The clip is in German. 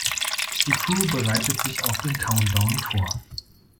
Die Crew bereitet sich auf den Countdown vor.